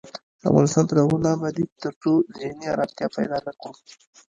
افغانستان تر هغو نه ابادیږي، ترڅو ذهني ارامتیا پیدا نکړو.